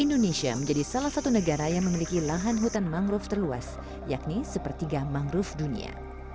indonesia menjadi salah satu negara yang memiliki lahan hutan mangrove terluas yakni sepertiga mangrove dunia